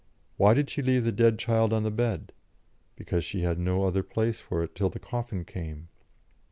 Why did she leave the dead child on the bed? Because she had no other place for it till the coffin came.